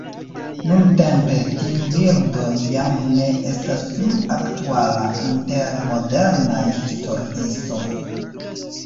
Nuntempe tiu bildo jam ne estas plu aktuala inter modernaj historiistoj.